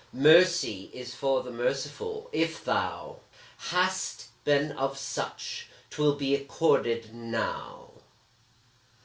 Mercy is for the merciful! if thou Hast been of such, 'twill be accorded now.